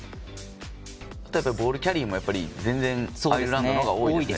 ボールキャリーも全然アイルランドのほうが多いですね。